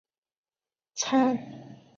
参赛队伍分别参加了不同级别的比赛。